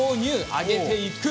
揚げていく！